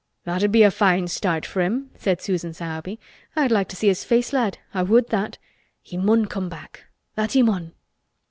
"That'd be a fine start for him," said Susan Sowerby. "I'd like to see his face, lad. I would that! He mun come back—that he mun."